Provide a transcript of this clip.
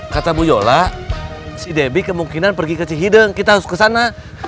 kata bu yola si debbie kemungkinan pergi ke cihideng kita harus ke sana